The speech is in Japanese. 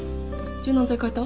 柔軟剤変えた？